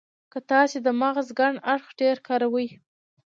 که تاسې د مغز کڼ اړخ ډېر کاروئ.